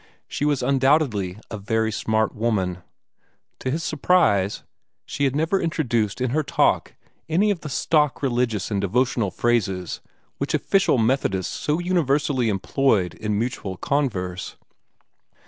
She was undoubtedly a very smart woman. To his surprise she had never introduced in her talk any of the stock religious and devotional phrases which official Methodists so universally employed in mutual converse.